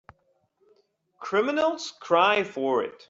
Criminals cry for it.